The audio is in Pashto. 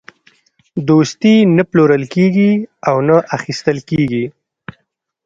دوستي نه پلورل کېږي او نه اخیستل کېږي.